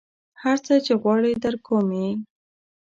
هر څه چې غواړې درکوم یې.